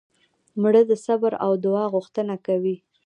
مړه د صبر او دعا غوښتنه کوي